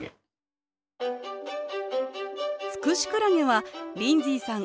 ツクシクラゲはリンズィーさん